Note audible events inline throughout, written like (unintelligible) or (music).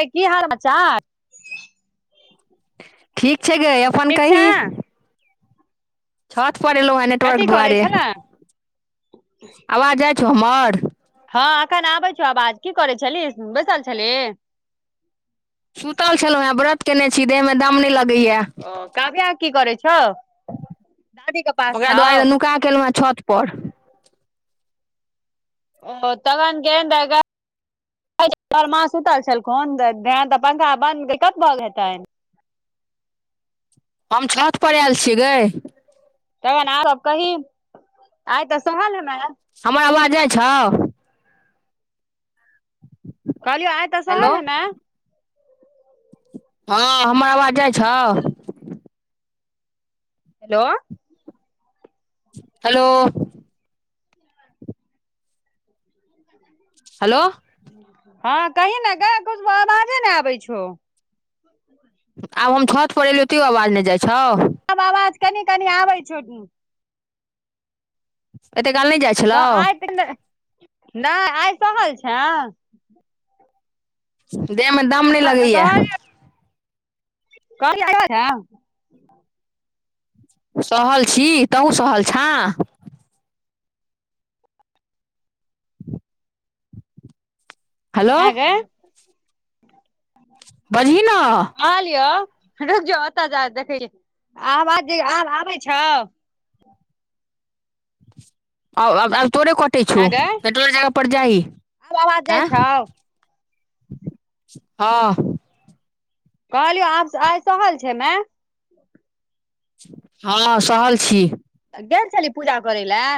ऐ की हाल बच्चा? ठीक छै गै अपन ठीक छै कही। छत पर एलहुं हँ नेटवर्क कथी करै दुआरे, छले आवाज जाय छौ हमर। हँ एखन आबै छौ आवाज की करै छलही बैसल छलही। सुतल छलहुँ हेँ व्रत केने छी, देहमे दम नै लगैये। काविया की करै छै। ओकरा दुआरे नुका के एलहुं हें छत पर ओ तगन गेन्दग (unintelligible) ब मा सुतल छलखुन ध्यान तऽ पंखा बन्द कब भऽ हेतनि (unintelligible) हम छत पर आयल छी गै। तखन औरो कही, आइ तऽ सहल हेमे। हमरा लागै छौ। कहलियौ आय तऽ हेलो सहल हेमे। हँ, हमर आवाज जाइ छौ? हेलो। हेलो। (inaudible) हेलो। हँ कहि ने गै कुछ आवाजे ने आबै छौ। आब हम छत पर एलियौ तैयो आवाज नहि जाइ छौ। आब आवाज कनि कनि आबै छै। एते काल नै जाइ आइ छलौ तऽ, नै आइ सहल छें। देह मे दम नैह लगैय। कहलियौ (unintelligible) सहल छी तहूँ सहल छें? हेलो ऐं गै। बजही न। कहलियौ रूक जौ ओतऽ जा देखै छियै आबाज आब आबै छौ? आ-आ-आब तोरे कटै छौ गै पेट्रोल जगह पर जाही। आब अबाज जाइ आँय छौ? हँ। कहलियौ आब से आइ सहल छै मे। हँ सहल छी। गेल छेलहीं पूजा करै लए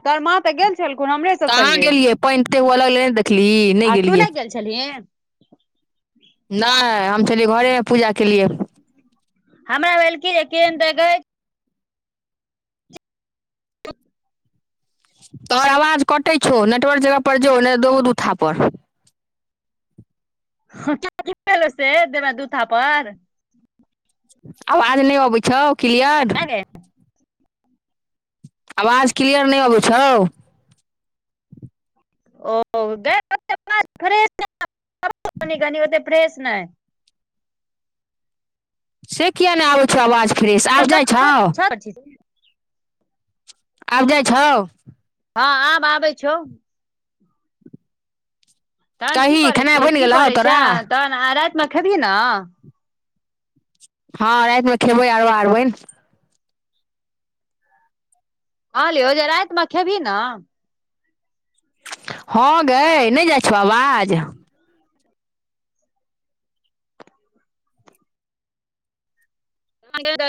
तोहर माँ तऽ गेल छेलखुन हमरे सब सङ्गे? पैइन तते हुअ लगलै नेै देखली। आ तू नै गेल छेलहीं? नैय हम छेलियै घरेमे पूजा केलियै। हमरा भेल कि केहन देखै। (unintelligible) तोहर आवाज कअटै छौ नेटवर्क जगह पर जो नै दे बौ दु थापर। (unintelligible) से देबें दू थापर। अबाज नै अबै छौ क्लियर? आँ गै अवाज क्लियर नै अबै छौ? ओ गै ओ फ्रेश नै (unintelligible) ओते फ़्रेस नै। से किये नै आबै छौ आवाज फ्रेश एखन आब जाइ कतऽ छौ? (unintelligible) आब जाइ छौ। हँ आब आबै छौ। तहन की कही करै खेनाइ छी बनि की गेलौ करै तोरा छें तहन आय रैत मे खेबही नऽ? हँ रैत मे खेबै आरबा अरबैन। कहलियो जे रैत में खेबहि नऽ? हँ गै नै जाइ छौ अवाज?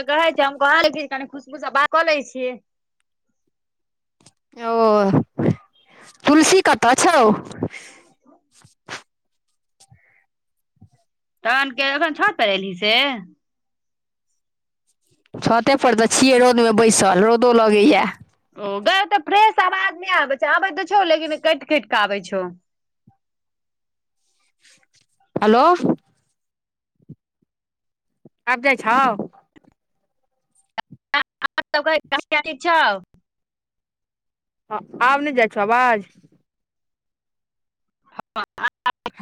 कहै छै हम कह छै जे कनि खुशबू सँ बात कऽ लै छियै। हँ तुलसी कतऽ छौ? (inaudible) तहन के अखन छत पर एलही से? छते पर तऽ छियै रौदमे बैसल रौदो लगैया। गै ओते फ्रेश आवाज नै आबेै छै आबे तऽ छौ लेकिन कैट- कैट कऽ आबै छौ। हेलो आब जाइ छौ? आहाँ सबके (unintelligible) ठिक छौ? आब नै जाइ छौ अवाज? हँ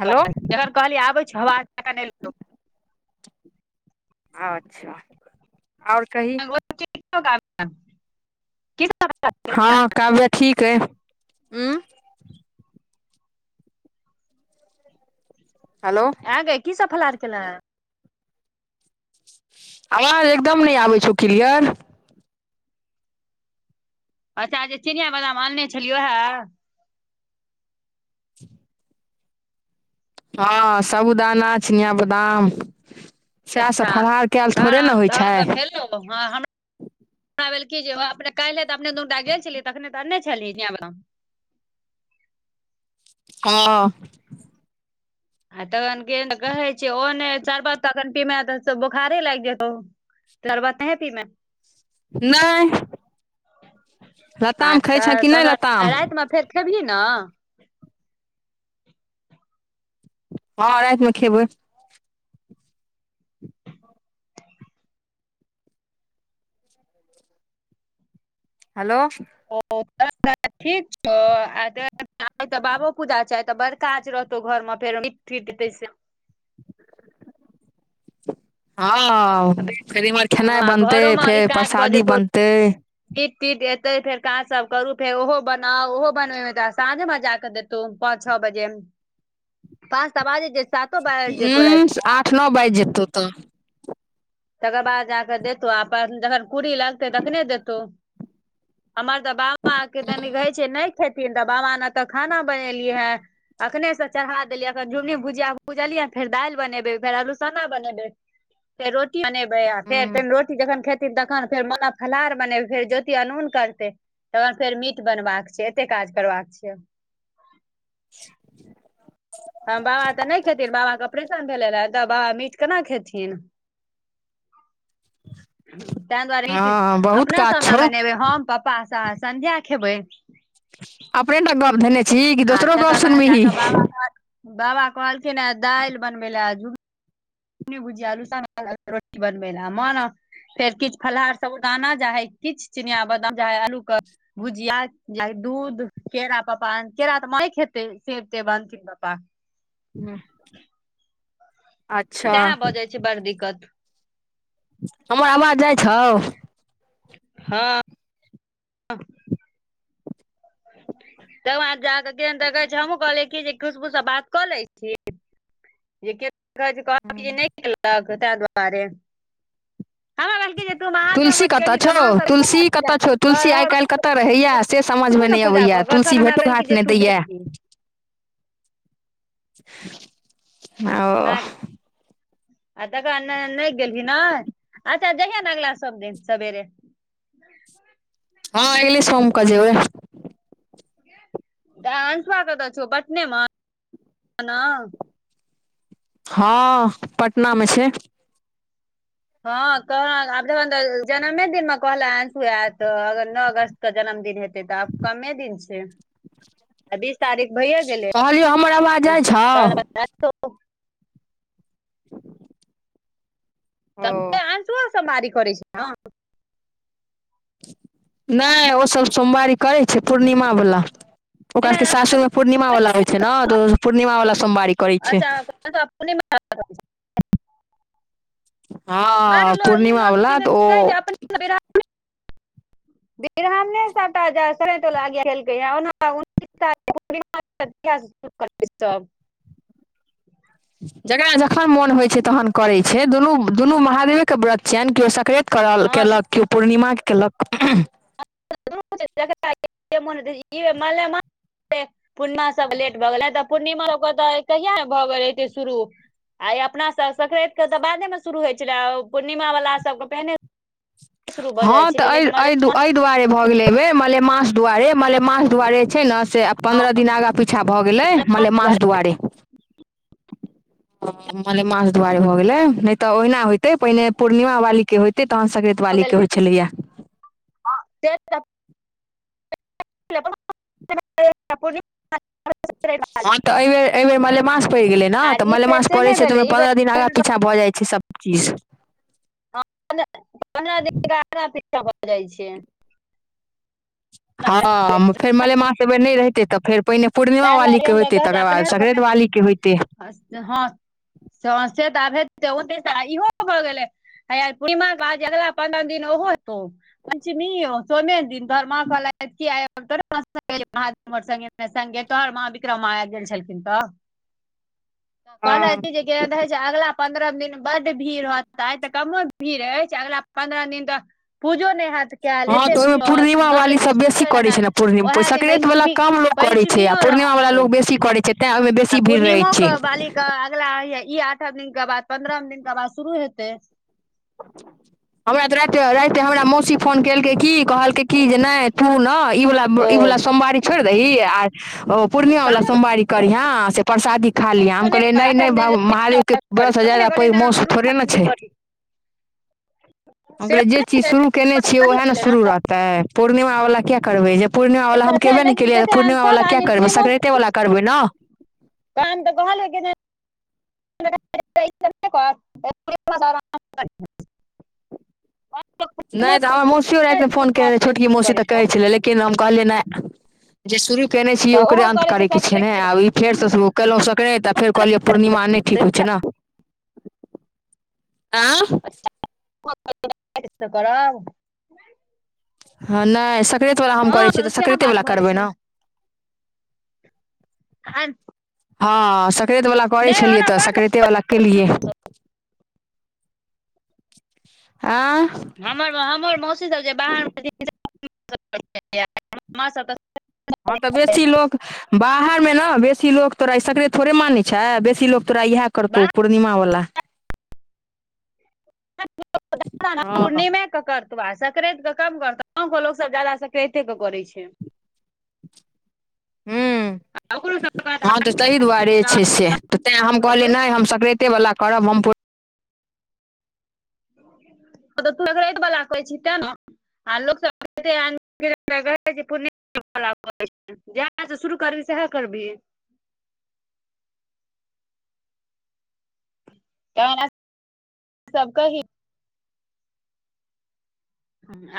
हेलो जखन कहलियै आबै छौ अवाज तखन एले। आच्छा (unintelligible) (unintelligible) की सब हँ काव्या ठीक अइ ऊँ? (inaudible) हेलो ऐं गे की सब फलहार केलें? अवाज एकदम नै आबै छौ क्लियर। अच्छा जे चिनिया बादाम आनने छलियौ ओहे? (inaudible) हँ, सबूदाना, चिनियाँ बदाम सैऽह सब अच्छा फलहार कैऽल थोड़े न होइ छै? लो, हाँ हम हमरा भेल की जे ओ अपने काल्हे तऽ अपने दुन टा गेल छलै तखने तऽ अनने छलै चिनयाॅं बदाम। हँ। आ तकन किदैन तऽ कहै छै? ओ नै चरबत त अखन पिमैंऽ त बोखारे लाइग जेतौ। लरबा तैंइ पीने नहि हॉं लताम खाइ छें तऽ कि नहि लताम तकन राईत में फेर खेबहीं ना? हँ राईत में खेबै। हेलो। ओ (inaudible) ठीक छौ? आ तोरा (inaudible) बाबो पूजा छै, आग त बड़ काच रहतौ घर मां फेर, दीप तीप दै से हँ, फेर इम्हर खेनाइ हँ बनतै, घरोमे फेर परसादी बनतै। गीत-तीत एतै, फेर काँज सब करू, फेर ओहो बनाउ, ओहो बनय में त साँझे भजाके देत तो पाँच छ बजे, पाँच त बाजै चै, सातो बायज जेतौ राइत। नाॅ बाइज जेतौ तऽ तकर बाद जाकऽ देतौ, आ अपन जखन कूड़ी लगतै तखने देतौ। हमर तऽ बाबा के तनि कहै छियै, नैय खेथिन तऽ बाबा न तऽ खाना बनेलिय हैऽ। अखने स चरहा देलियै, अखन झूमनी भुजिया बुजलियै, फेर दाइल बनेबै, फेर अलूसना बनेबै। फेर रोटी बनेबै, फेर हूँ। तन रोटी जखन खेत ती तखन फेर मोना फलहार बने, फेर जोति अनून करतै। तऽन फेर मीट बनबाकऽ छै, एते काज करबाक छिय। (inaudible) हम बाबा तऽ नैय खेतिन, बाबा कऽ ऑपरेशन भेले राइ, तऽ बाबा मीट केना खेथिन? तैंऽ दुआरे ईट हँ बहुत अपना काज सब न छौ मनेबै, हम पप्पा सा-संध्या खेबै। अपने टा गप्प धेंने छीइ, कि आ दोसरो गप्प तकर बाद सुनबीहीं? जाकऽ बाबा बाबा कहलखिन हैंऽ दाईल बनबै लैऽ, झुम उमनी भुजिया, अलुसं (inaudible) रोटी बनबै लैऽ, मॉन फेर किछ फलहार सबुरदाना जाहैइ, किछ चिनीयाॅं बदाम जाहैइ, आलू क भुजिया जाहे दूध, केरा पप्पा अन, केरा तऽ माॅं नैय खेतै सेब-तेब अन तिन पप्पा। हँ। सैहैऽ भऽ जाइ छै बड़ दिक्कत हमर आवाज जाइ छौ? हँ। तकऽ बाद जाकऽ केहेन त कहै छै? हमहुँ कहलियै कि जे खुशबू स बात कऽ लै छी। जे के कह (inaudible) नैय केलक तैऽ दुआरे। हमरा कहलकै जे तू (inaudible) महादेव तुलसी मठ कतऽ गेली तऽ छौ? माँ सब एलखुन तुलसी ने पूजा कतऽ छौ? तुलसी आइ काइल्ह तऽ कतऽ रहैयाऽ से समझ देखू में ने नैय पूजा अबैयाऽ। कऽ कऽ तुलसी तहन हमरा भेटों भेल कि घाट जे नैय तू दै याऽ। गेलही हांऽओ। आ तकऽ बाद न-नैय गेलहीं न? अच्छा जैइहैंऽ न अगला सब दिन सबेरे हँ, ऐगले सोम कऽ जेबै। दाय अंसुवा कतय छौ पटने मे नै? हां पटना मे छै। हां कहला आब जखन तऽ अ जन्मे दिन मे कहलै अंसु ऐत अगर नअ अगस्त के जन्मदिन हे ते तऽ आब कम्मे दिन छै। आय बीस तारीक भाईए गेलै, कहलियौ हमर आवाज जाइ छौ (unintelligible) (inaudible) ओ त हेगे अंसुवो सोमवारी करै छो? नै ओ सब सोमवारी करै छै पूर्णिमा बला। ओकरा ने सके सासुरमे पूर्णिमा बला होय छै नै तऽ ओ पूर्णिमा बला सोमवारी करै छै। (inaudible) बड हँ लो ई पूर्णिमा लोग वाला कि तऽ दन नै ओ कहै अपने में (unintelligible) ब्राह्मणै सबटा ज संक्रेत वला (unintelligible) केलके हें ओना उनतीस तारीख पूर्णिमा (unintelligible) (unintelligible) करतै सब। जकरा जखन मोन होय छै तहन करय छै, दुनू-दुनू महादेवे के व्रत छीयैन कियो सक्रेत करल हँ कैलक कियो पूर्णिमाके कैलक (unintelligible) मलेमा तै पूर्णिमा सब लेट भऽ गेलै तऽ पूर्णिमा सबके तऽ कहिया नै भऽ गेल हते शुरू। आ ई अपना सब सक्रैत के तऽ बादे मे शुरू होय छलै पूर्णिमा बला सबके पहिने शुरू भऽ हां जाइ तै छलै ऐ लेकिन मले ऐ दु मास ऐ दुआरे भऽ गेलै ऐ बेर मलेमास दुआरे मलेमास दुआरे छै नै से आ पन्द्रा दिना आगा पीछा भऽ गेलै मलेमास द्वारे दुआरे हां मलेमास दुआरे भ गेलै नै तऽ ओहना हेते पहिने पूर्णिमा वाली के होयते तहन स्क्रेत वाली के होय छलै यै। हां से ते (unintelligible) सरे वाली हां तै को ए बेर ए बेर मलेमास पैड़ गेलै नै आर तऽ ई बेर मलेमास से पड़ै नहि छै तऽ भेलै ओयमे ई पन्द्रा दिन आगाँ बेर पीछा भऽ जाए छै सब। पचीस मने पन्द्रा दिन के आगा पीछा भऽ जाए छै। हां फेर मलेमास ए बेर नै रहितै तऽ फेर पहिने पूर्णिमा तैं वाली दुआरे के एहन होएते तकर बाद सक्रेत वाली के होएते। अस्त हां‌ (unintelligible) ओते से इहो भ गेलै हे यै पूर्णिमा के बाद जे अगला पन्द्रा दिन ओहो हेतो। पंचमीयौ सोमे दिन तोहर मां कहलैथ की आय (unintelligible) संगे संगे तोहर मां विक्रम मां ऐब गेल छलखिन तऽ हँ कहलै की जे के देखय छै अगलाा पन्द्रा दिन बड्ड भीड़ रहतै तऽ कमो भीड़ ऐछ छै अगिला पन्द्रा दिन तऽ पूजो नै हेत कैल हँ एते तऽ ओहिमे भीड़ पूर्णिमा रहत वाली (unintelligible) सब किछ बेसी पुछै करै छै ने (unintelligible) पूर्णिम ओहे दिन संक्रान्ति वला पैंचमी कम लोक करै छै आ पैंचमियौ पूर्णिमा वला रहत लोक बेसी करै छै तें ओहिमे आ बेसी भीड़ रहै पूर्णीमो छै के बालि क के अगला ई आठम दिन के बाद पन्द्रम दिनका बाद शुरू हेतै। हमरा तै रातै रात हमरा मौसी फोन केलकै की कहलकै की जे नै तू नै ई बला ब ओ ई बला सोमवारी छोड़ दही अ ओ पूर्णिया वला ठामो सोमवारी करहिए से परसादी खा लीहे हम नहि कहलियै कर, नै नै आठम दिन बाबु महादेवके करी, व्रत से अपने जादा कहलियै पैघ नहि हम मौस शुरू थोड़े नै सप्तमी छै। करी हम से कहलिए जे चीज शुरू केने छियै उहै नै शुरू रहतै पूर्णिमा बला कियै करबै जब पूर्णिमा बला तऽ हम छै कैबे नै लेकिन केलिए यै कते तऽ आदमी पूर्णिमा सब बला कियै आदमी करबै सक्रेते बला करबै नै। कन तऽ कहलियै की नैय (unintelligible) नैय तऽ हमर मौसियो राइत में फोन केने रै छोटकी मौसी तऽ कहै छेलै लेकिन हम कहलियै नैय। जे शुरु केने छी ओकरे अंत करै के छै ने आब ई फेर स शुरू केलौं सकरैत तऽ फेर कहलियै पूर्णिमा नैय ठीक होइ छै न आं। (unintelligible) करब। हँ नैय सक रैत वला हम करै छियै हँ तऽ सएह सकरैते बात वला भऽ करबै जाइ न। छै हँ सकरैतवला करै नहि छेलियै ओना तऽ बात सकरैतेवला केलियै। आँ? हमर हमर मौसी सब जे बाहर में (unintelligible) माँ सब तऽ हँ तऽ बेसी लोक बाहरमे न बेसी लोक तोरा ए सकरैत थोड़े मानै छै बेसी लोक तोरा इहै करतौ बाहर पूर्णिमा वला। हँ (unintelligible) नीमे। कऽ करतौ आ सकरैत कऽ कम करतौ गाँंव कऽ लोक सब जादा सकरैते कऽ करै छै। (inaudible) हूं ओकरो सब हँ तऽ तहि दुआरे छै से तऽ तैं हम कहलियै हेतै नैय हम सकरै ते वला करब हम पूर तऽ सकरैत वला कहै छी तैं न। आ लोक सब (unintelligible) पूर्णि वला (unintelligible) जै स शुरू करबीही सैहै करबीही। (unintelligible) सब कही।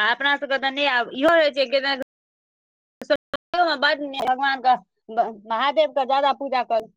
आ अपना सब कऽ तऽ नैय आब इहो होइ छैय की न (unintelligible) बड नीक भगवान कऽ महादेव कऽ जादा पूजा कर